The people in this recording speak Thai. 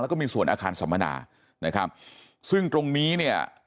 แล้วก็มีส่วนอาคารสัมมนานะครับซึ่งตรงนี้เนี่ย